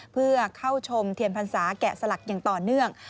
เพื่อเข้าชมเทียนพรรษาแกะสลักอย่างต่อเนื่อง